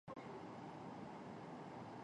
孝友之名罕有。